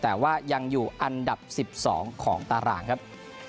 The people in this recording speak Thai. แต่ว่ายังอยู่อันดับ๑๒ของตารางครับ